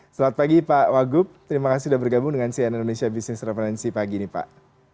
selamat pagi pak wagub terima kasih sudah bergabung dengan cn indonesia business referensi pagi ini pak